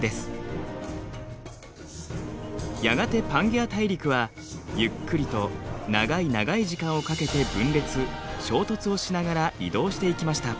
やがてパンゲア大陸はゆっくりと長い長い時間をかけて分裂衝突をしながら移動していきました。